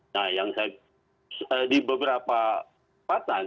nah yang saya di beberapa tempatan